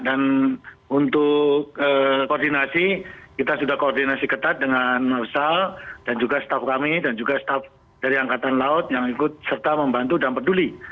dan untuk koordinasi kita sudah koordinasi ketat dengan noabesal dan juga staf kami dan juga staf dari angkatan laut yang ikut serta membantu dan peduli